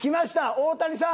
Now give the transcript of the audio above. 大谷さん！